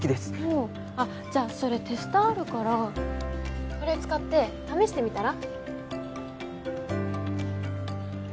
おお！あっじゃあそれテスターあるからこれ使って試してみたら？